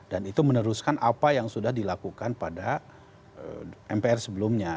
dan itu meneruskan apa yang sudah dilakukan pada mpr sebelumnya